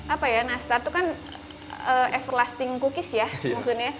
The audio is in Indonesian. apa ya nastar itu kan everlasting cookies ya maksudnya